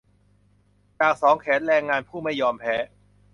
จากสองแขนแรงงานผู้ไม่ยอมแพ้